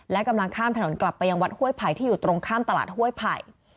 และกำลังข้ามถนนกลับไปยังวัดห้วยไผ่ที่อยู่ตรงข้ามตลาดห้วยไผ่